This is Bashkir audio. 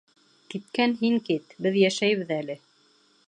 Киткән һин кит. Беҙ йәшәйбеҙ әле!